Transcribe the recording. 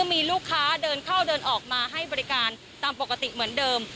มีลูกค้าเดินเข้าเดินออกมาให้บริการตามปกติเหมือนเดิม